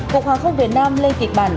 cục hàng không việt nam lên kịch bản